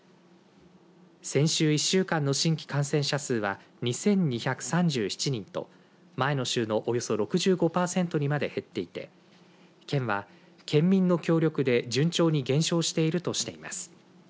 先週１週間の新規感染者数は２２３７人と前の週のおよそ６５パーセントにまで減っていて県は、県民の協力で順調に減少しているとしています。